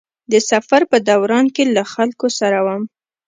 د سفر په دوران کې له خلکو سره وم.